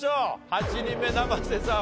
８人目生瀬さん